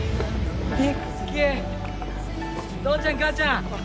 父ちゃん母ちゃん！